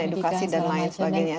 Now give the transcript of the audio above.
edukasi dan lain sebagainya